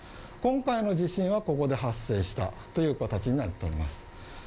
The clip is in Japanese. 今回の地震はここで発生したという形になっております。